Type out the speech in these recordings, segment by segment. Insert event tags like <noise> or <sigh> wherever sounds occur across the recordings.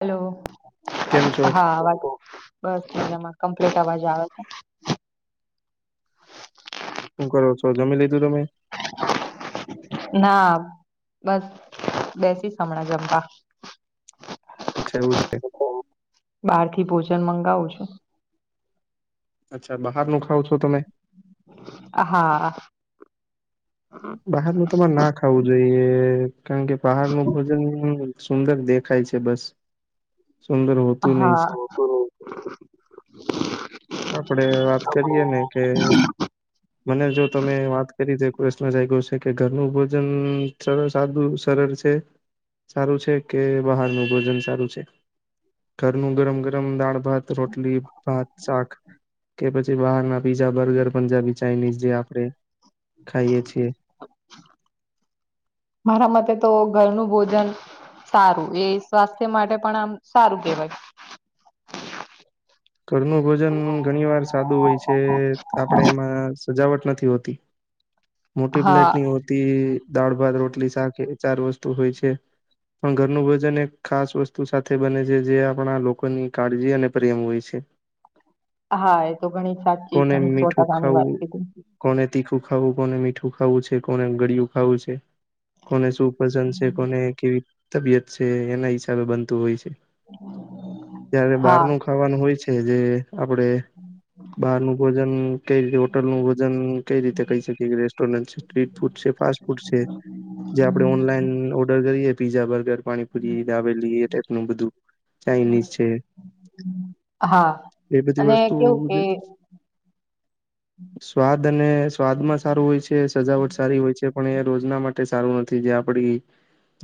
Hello કેમ છો હા અવાજ બસ મજામાં કમ્પ્લીટ અવાજ આવે છે શું કરો છો જમી લીધું તમે ના બસ બેસી હમણાં જમતા અચ્છાવું બાર થી ભોજન મંગાવું છું અચ્છા બહાર નું ખાવ છો તમે હા બહાર ન તમારે ના ખાવું જોઈએ કારણ કે બહાર ન ભોજન સુંદર દેખાય છે બસ સુંદર હોતું હા નહી આપડે વાત કરીએ ને કે મને જો તમે વાત કરી દ પ્રશ્ન થઈ ગયો છે કે ઘરનું ભોજન સર સાદું સરળ છે. સારું છે કે બહારનું ભોજન સારું છે ઘરનું ગરમ ગરમ દાળ. ભાત રોટલી ભાત શાક કે પછી બહાર ના પીઝા બર્ગર પંજાબી ચાાઈનીઝ જે આપડે ખાઈએ છીએ મારા મતે તો ઘરનું ભોજન સારું એ સ્વાસ્થ્ય માટે પણ આમ સારું કેવાય ઘરનું ભોજન ઘણી વાર સાદું હોય છે આપડે એમાં સજાવટ નથી હોતી મોટી પ્લેટ હા ની હો તી દાળ ભાત રોટલી શાક એ ચાર વસ્તુ હોય છે પણ ઘરનું ભોજન એક ખાસ વસ્તુ સાથે બને છે જે આપણા લોકોની કાળજી અને પરિમ હોય છે એ હા એ તો ઘણી સાચી અને સો મીઠું ટકાની વાત ખાવું કીધી કોને તીખું ખાવું કોને મીઠું ખાવું છે કોને ગળિયું ખાવું છે કોને શું પસંદ છે કોને કેવી તબિયત છે એના હિસાબે બનતું હોય છે ત્યારે બહાર હા નું ખાવાનું હોય છે જે આપડે બહાર નું ભોજન કઈ રીતે હોટલ નું ભોજન કઈ રી તે કઈ શકીએ કે રેસ્ટોરન્ટ છે સ્ટ્રીટ ફૂડ છે ફાસ્ટ ફૂડ છે જે આપડે ઓનલાઈન ઓર્ડર કરીએ પીઝા બર્ગર પાણીપુરી દાબેલી એ ટાઈપનું બધું ચાઈનીઝ છે હા એ બધી અને વસ્તુ કેવું કે <unintelligible> સ્વાદ અને સ્વાદમાં સારું હોય છે સજાવટ સારી હોય છે પણ એ રોજના માટે સારું નથી જે આપડી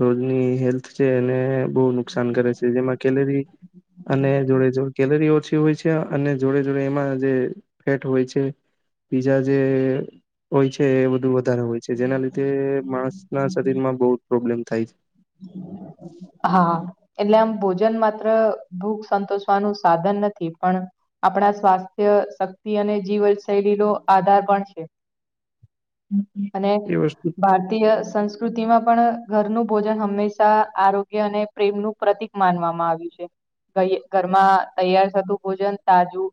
રોજની હેલ્થ છે અને બહુ નુકસાન કરે છે જેમાં કેલરી અને જોડે જો <unintelligible> ઓછી હોય છે અને જોડે જોડે એમાં જે ફેટ હોય છે પીઝા જે હોય છે એ બધું વધારે હોય છે જેના લીધે માણસના શરીર માં બહુ જ પ્રોબ્લેમ થાય હા એટલે આમ ભોજન માત્ર ભૂખ સંતોષવાનું સાધન નથી પણ આપડા સ્વાસ્થ્ય શક્તિ અને જીવન શૈલીનો આધાર પણ છે અને એ વસ્તુ ભાર તીય સંસ્કૃતિમાં પણ ઘરનું ભોજન હંમેશા આરો ગ્ય અને પ્રેમ નું પ્રતિક માનવામાં આવ્યું છે ઘરમાં તૈયાર થતું ભોજન તાજું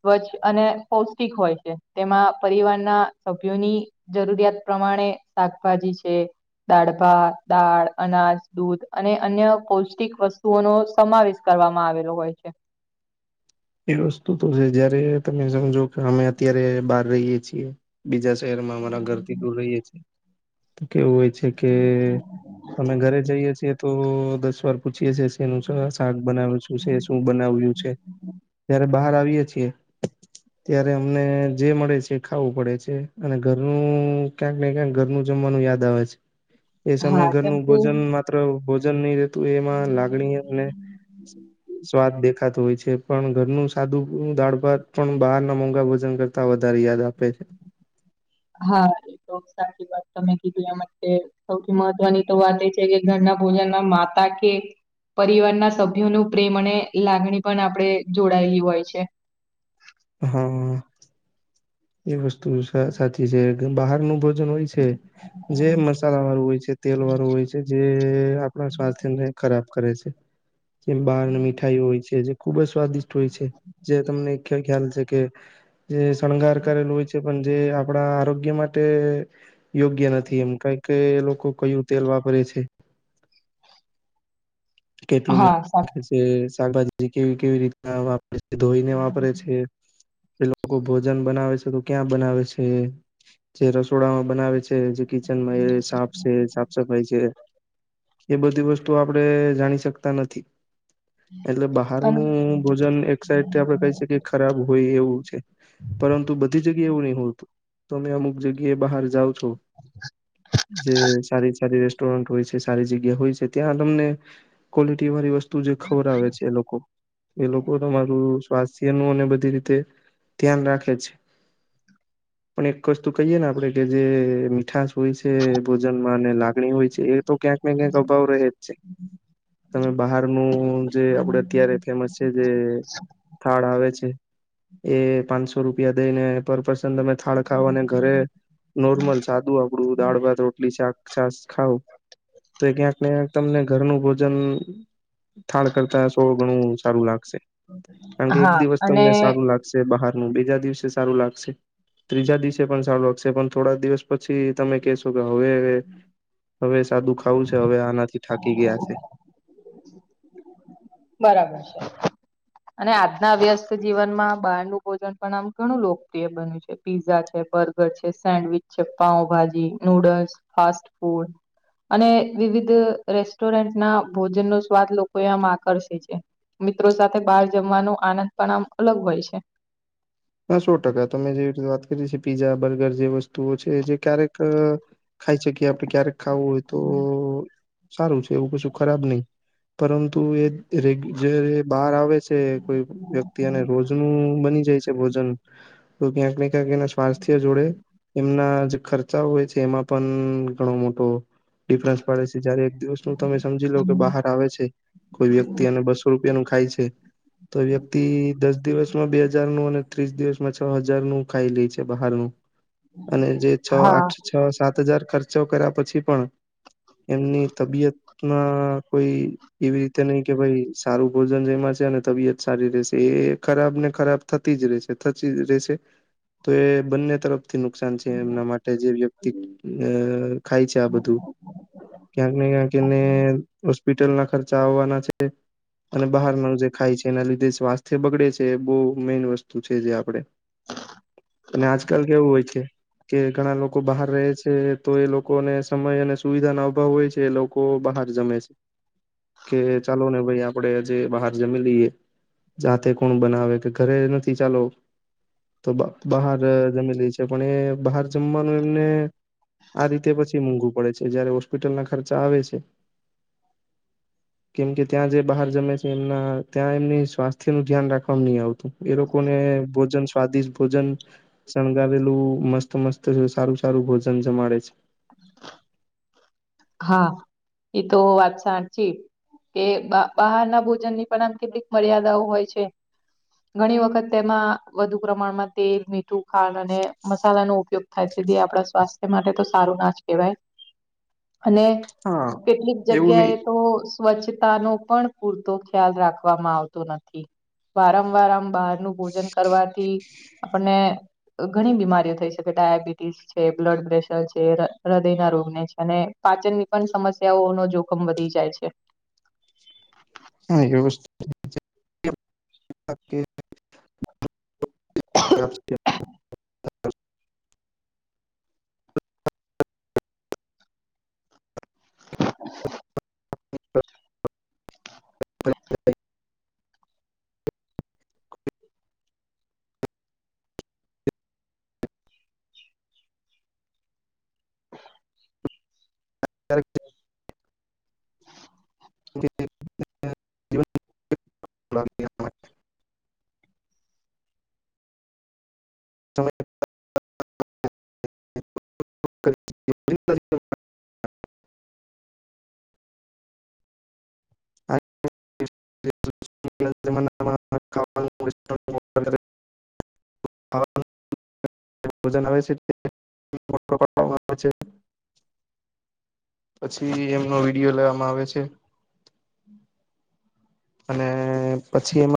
સ્વચ્છ અને પૌષ્ટિક હોય છે તેમાં પરિવારના સભ્યોની જરૂરિયાત પ્રમાણે શાકભાજી છે દાળભા દાળ અનાજ દૂધ અને અન્ય પૌષ્ટિક વસ્તુઓ નો સમાવેશ કરવામાં આવેલો હોય છે એ વસ્તુ તો છે જયારે તમે સમજો કે અમે અત્યારે બહાર રહીએ છીએ બીજા શહેરમાં અમારા ઘરથી દૂર રહીએ છે તો કેવું હોય કે અમે ઘરે જઈએ છીએ તો દસ વાર પૂછીએ છે શેનું શાક બનાવું છે શું બનાવ્યું છે <unintelligible> બહાર આવીએ છીએ ત્યારે અમને જે મળે છે ખાવું પડે છે અને ઘરનું ક્યાંક ને ક્યાંક ઘરનું જમવાનું યાદ આવે છે એ હા સમયે કેમ ઘરનું કે ભોજન મા ત્ર ભોજન નહી રહેેતું એમાં લાગણી અને સ્વાદ દેખાતો હોય છે પણ ઘરનું સાદુ દાળ ભાત પણ બહાર ના મોંગા ભજન કરતા વધારે યાદ આપે છે હા એ તો સાચી વાત તમે કીધું એ માટે સૌથી મહત્વની તો વાત એ છે કે ઘરના ભોજનમાં માતા કે પરિવારના સભ્યો નું પ્રેમ અને લાગણી પણ આપણે જોડાયેલી હોય છે. હા એ વસ્તુ સાચી છે બહારનું ભોજન હોય છે જે મસાલા વાળું હોય છે તેલ વાળું હોય છે જે આપણા સ્વાસ્થ્યને ખરાબ કરે છે જેમ બહારને મીઠાઈ હોય છે જે ખુબ જ સ્વાદિષ્ટ હોય છે જે તમને ખ્યાલ છે કે જે શણગાર કરેલું હોય છે પણ જે આપડા આરોગ્ય માટે યોગ્ય નથી એમ કંઈક તે એ લોકો કયું તેલ વાપરે છે કેટલું હા સાચું. મિક્સિંગ છે શાકભાજી કેવી કેવી રીતે વાપરે છે ધોઈને વાપરે છે એ લોકો ભોજન બનાવે છે તો ક્યાં બનાવે છે જે રસોડામાં બનાવે છે જે કિચનમાં સાફ છે સાફ સફાઈ છે એ બધી વસ્તુ આપડે જાણી શકતા નથી એટલે પણ બહારનું ભોજન એક સાઇડ થી આપડે કઈ છે કે ખરાબ હોય એવું છે. પરંતુ બધી જગ્યાએ એવું નહી હોતું તમે અમુક જગ્યા એ બહાર જાઉ છો જે સારી સારી રેસ્ટોરન્ટ હોય છે સારી જગ્યા હોય છે ત્યાં તમને ક્વોલિટી વાળી વસ્તુ જે ખવરાવે છે એ લોકો એ લોકો તમારું સ્વાસ્થ્ય નું અને બધી રીતે ધ્યાન રાખે છે. પણ એક વસ્તુ કહીયે ને આપણે કે જે મીઠાસ હોય છે ભોજન માં ને લાગણી હોય છે એ તો ક્યાંક ને ક્યાંક અભાવ રહે જ છે. તમે બહારનું જે આપડે અત્યારે ફેમસ છે જે થાળ આવે છે. એ પાંચસો રૂપિયા દઈ ને પર પર્સન તમે થાળ ખાવ અને ઘરે નોર્મલ સાદું આપણું દાળ ભાત રોટલી શાક છાસ ખાવ તો ક્યાંકને ક્યા તમને ઘરનું ભો જન થાળ કરતા સો ગણું સારું લાગશે. કારણ કે એક દિવસ અને તમને સારું લાગશે બહારનું બીજા દિવસે સારું લાગશે ત્રીજા દિવસે પણ સારું લાગશે પણ થોડા દિવસ પછી તમે કેશો તો કે હવે હવે સાદું ખાવું છે હવે આનાથી થાકી ગયા છે. બરાબર છે. અને આજના વ્યસ્ત જીવનમાં બારનું ભોજન પણ આમ ઘણું લોકપ્રિય બન્યું છે. પીઝા છે બર્ગર છે સેન્ડવીચ છે પાઉભાજી નુડલ્સ ફાસ્ટ ફૂડ અને વિવિધ રેસ્ટોરન્ટના ભોજન નો સ્વાદ લોકો આમ આકર્શે છે મિત્રો સાથે બહાર જમવાનો આનંદ પણ આમ અલગ હોય છે. હ સો ટકા તમે જેવી રીતે વાત કરી છી પીઝા બર્ગર જે વસ્તુઓ છે જે ક્યારેક ખાઈ શકીએ આપડે ક્યારેક ખાવું હોય તો સારું છે એવું કશું ખરાબ નહી પરંતુ એ રે જયારે બહાર આવે છે. કોઈ વ્યક્તિ અને અને રોજનું બની જાય છે. ભોજન તો ક્યાંક ને ક્યાંક એના સ્વાસ્થ્ય જોડે એમના ખર્ ચા હોય છે. એમાં પણ ઘણો મોટો ડિફરન્સ પડે છે. જયારે દિવસનું તમે સમજી લો કે બહાર આવે છે. કોઈ વ્યક્તિ અને બસો રૂપિયાનું ખાય છે, તો વ્યક્તિ દસ દિવસમાં બે હજારનું અને ત્રીસ દિવસમાં છ હજારનું ખાઈ લે છે બહારનું અને જે છ હા આઠ છ સાત હજાર ખર્ચો કર્યા પછી પણ એમની તબિયત માં કોઈ એવી રીતે નહી કે ભાઈ સારું ભોજન જેમાં છે અને તબિયત સારી રહશે. એ ખરાબ ને ખરાબ થતી રે છે થતી રે છે તો એ બંને તરફથી નુકસાન છે એમના માટે જે વ્યક્તિ અ ખાય છે આ બધું. ક્યાંક ને ક્યાંક એને હોસ્પિટલના ખર્ચા આવવાના છે. અને બહારનું જે ખાય છે એના લીધે સ્વાસ્થ્ય બગડે છે. એ બહુ મેઈન વસ્તુ છે જે આપડે અને આજકાલ કેવું હોય છે. કે ઘણા લોકો બહાર રહે છે તો એ લોકોને સમય અને સુવિધાના અભાવ હોય છે. એ લોકો બહાર જમે છે, કે ચાલો ને ભાઈ આપડે આજે બહાર જમી લઈએ. જાતે કોણ બનાવે કે ઘરે નથી ચાલો. તો બ બહાર જમી લે છે પણ એ બહાર જમવાનું એમને આ રીતે પછી મોંઘું પડે છે, જયારે હોસ્પિટલના ખર્ચા આવે છે. કેમ કે ત્યાં જે બહાર જમે છે એમનાં ત્યાં એમની સ્વાસ્થ્યનું ધ્યાન રાખવામા નહીં આવતું. એ લોકોને ભોજન સ્વાદિષ્ટ ભોજન શણગાવેલું મસ્ત મસ્ત ને સારું સારું ભોજન જમાડે છે. હા, એ તો વાત સાચી. એ બહારના ભોજનની પણ આમ કેટલીક મર્યાદાઓ હોય છે. ઘણી વખત તેમાં વધુ પ્રમાણમાં તેલ, મીઠું, ખાંડ અને મસાલાનો ઉપયોગ આજ હુધી આપણા સ્વાસ્થ્ય માટે તો સારું ના જ કહેવાય અને હા કેટલીક એવું જગ્યાએ નહી તો સ્વચ્છતાનો પણ પૂરતો ખ્યાલ રાખવામાં આવતો નથી. વારંવાર આમ બહારનું ભોજન કરવાથી આપણને ઘણી બીમારીઓ થઈ શકે ડાયાબિટીસ છે, બ્લડ પ્રેશર છે. કે રદયના રોગને છે અને પાચનની પણ સમસ્યાઓનનો જોખમ વધી જાય છે. હા, વ્યવસ્થિત <inaudible> <inaudible> <inaudible> <inaudible> <inaudible> <unintelligible> સમ <inaudible> પ <inaudible> પહેલાંના જમાનામાં ખાવાનું <inaudible> વજન આવે છે <inaudible> પછી એમનો વિડીયો લેવામાં આવે છે. અને પછી એમાં